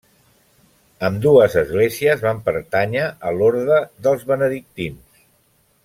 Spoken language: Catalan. Ambdues esglésies van pertànyer a l'orde dels benedictins.